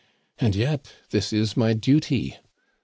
And yet this is my duty!